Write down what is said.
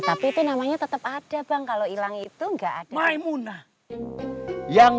tapi namanya tetap ada bang kalau hilang itu enggak ada maimunah yang